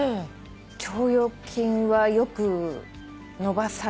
腸腰筋はよく伸ばされる。